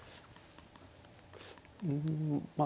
うんまあ